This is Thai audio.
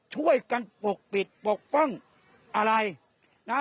ช่วยกันปกปิดปกป้องอะไรนะ